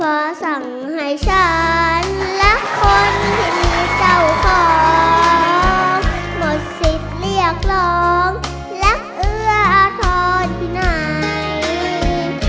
เพราะสังหายฉันและคนที่เจ้าของหมดศิษย์เรียกร้องและเอื้ออธรรมที่ไหน